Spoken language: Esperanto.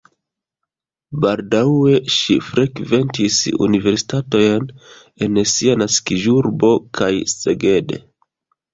Baldaŭe ŝi frekventis universitatojn en sia naskiĝurbo kaj Szeged.